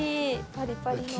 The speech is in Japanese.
パリパリの。